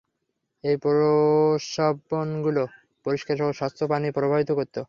এই প্রস্রবণগুলো পরিষ্কার ও স্বচ্ছ পানি প্রবাহিত করত।